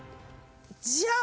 じゃん！